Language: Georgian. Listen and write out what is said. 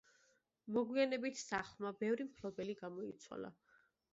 მოგვიანებით სახლმა ბევრი მფლობელი გამოიცვალა.